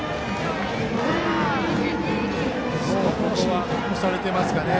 ここは押されてますかね。